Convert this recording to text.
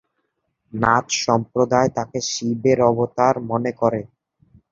নাথ সম্প্রদায় তাঁকে শিবের অবতার মনে করে।